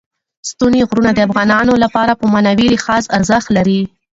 ستوني غرونه د افغانانو لپاره په معنوي لحاظ ارزښت لري.